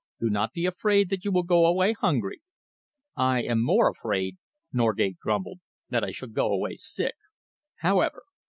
Do not be afraid that you will go away hungry." "I am more afraid," Norgate grumbled, "that I shall go away sick. However!"